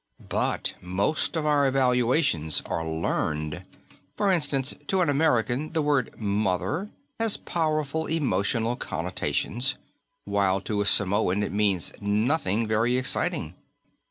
But most of our evaluations are learned. For instance, to an American the word 'mother' has powerful emotional connotations, while to a Samoan it means nothing very exciting.